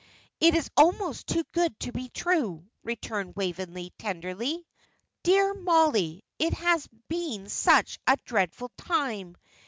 "It is almost too good to be true," returned Waveney, tenderly. "Dear Mollie, it has been such a dreadful time.